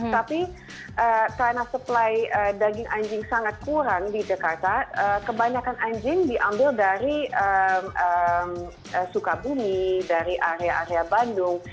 tapi karena supply daging anjing sangat kurang di jakarta kebanyakan anjing diambil dari sukabumi dari area area bandung